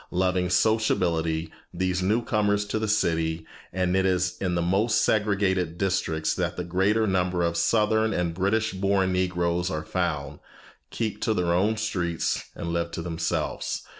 Loving sociability, these new comers to the city and it is in the most segregated districts that the greater number of southern and British born Negroes are found keep to their own streets and live to themselves.